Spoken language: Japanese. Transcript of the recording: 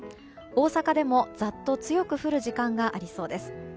大阪でもざっと強く降る時間がありそうです。